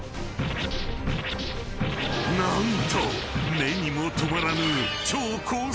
［何と目にも留まらぬ］